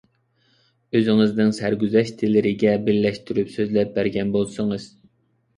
ئۆزىڭىزنىڭ سەرگۈزەشتلىرىگە بىرلەشتۈرۈپ سۆزلەپ بەرگەن بولسىڭىز.